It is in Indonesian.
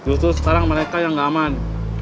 itu sekarang mereka yang gak aman